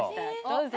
どうぞ。